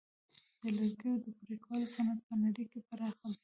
د لرګیو د پرې کولو صنعت په نړۍ کې پراخ دی.